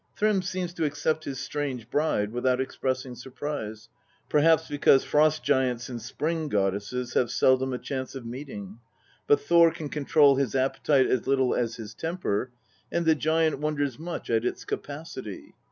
Thrym seems to accept his strange bride without expressing surprise, perhaps because Frost giants and Spring goddesses have seldom a chance of meeting. But Thor can control his appetite as little as his temper, and the giant wonders much at its capacity.